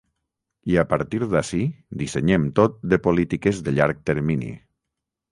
I a partir d’ací, dissenyem tot de polítiques de llarg termini.